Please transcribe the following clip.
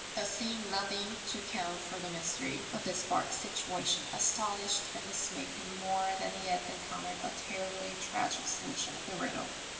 The seeing nothing to account for the mystery of this barque's situation astonished and dismayed him more than had he encountered a terribly tragic solution of the riddle.